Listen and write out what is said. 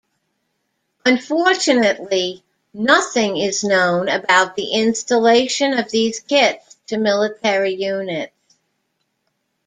Unfortunately, nothing is known about the installation of these kits to military units.